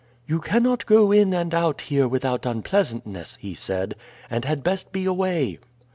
"You cannot go in and out here without unpleasantness," he said, "and had best be away.